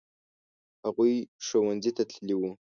هغوی ښوونځي ته تللي وو.